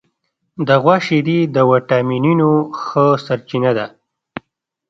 د غوا شیدې د وټامینونو ښه سرچینه ده.